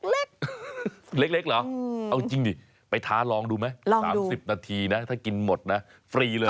เล็กเล็กเหรอเอาจริงดิไปท้าลองดูไหม๓๐นาทีนะถ้ากินหมดนะฟรีเลย